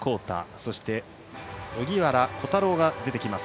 そして、荻原虎太郎が出てきます。